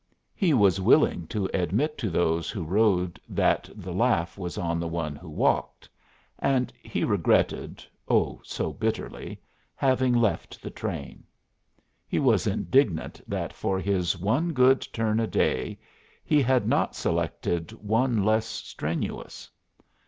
He was willing to admit to those who rode that the laugh was on the one who walked. And he regretted oh, so bitterly having left the train. He was indignant that for his "one good turn a day" he had not selected one less strenuous.